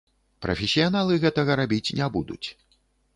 Прафесіяналы гэтага рабіць не будуць.